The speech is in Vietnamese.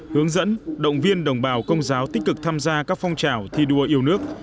hướng dẫn động viên đồng bào công giáo tích cực tham gia các phong trào thi đua yêu nước